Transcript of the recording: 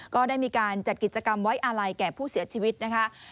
ก็ได้มีการจัดกิจกรรมไว้อาลัยแก่ผู้เสียชีวิตนะคะ